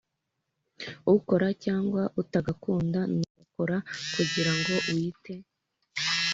ukora cyangwa utagakunda nugakora kugira ngo wite